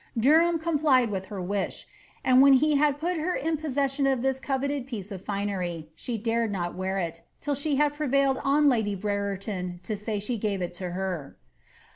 Derham complied with her wish, and when he had put her hi poesession of this coveted piece of finery, she dared not wear it, till ihe had prevailed on lady Brereton to say she gave it to her.'